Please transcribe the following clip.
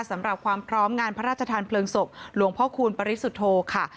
สำหรับความพร้อมงานพระราชทานเพลิงศพหลวงพ่อคูณปริสุทธโธค่ะ